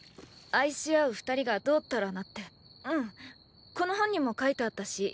愛し合う二人がどーたらなってうんこの本にも書いてあったし意味は知ってる。